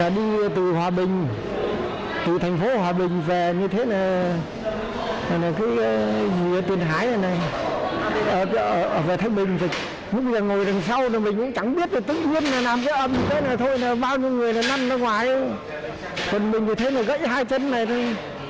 đi từ hòa bình từ thành phố hòa bình về như thế này về tuyền hải này này về thái bình lúc ngồi đằng sau mình cũng chẳng biết tức huyết làm cái âm thế này thôi bao nhiêu người nằm ở ngoài còn mình thì thấy gãy hai chân này thôi